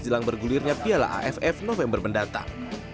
jelang bergulirnya piala aff november mendatang